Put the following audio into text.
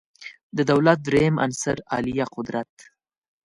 د دولت دریم عنصر عالیه قدرت